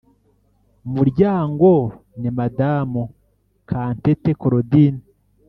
Muryango ni madamu kantete claudine